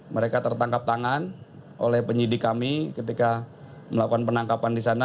mereka tertangkap tangan oleh penyidik kami ketika melakukan penangkapan di sana